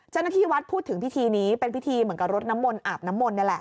เจ้าหน้าที่วัดพูดถึงพิธีนี้เป็นพิธีเหมือนกับรถน้ำมนต์อาบน้ำมนต์นี่แหละ